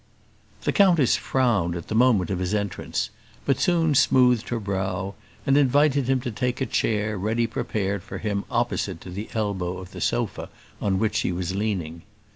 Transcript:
The countess frowned at the moment of his entrance, but soon smoothed her brow, and invited him to take a chair ready prepared for him opposite to the elbow of the sofa on which she was leaning.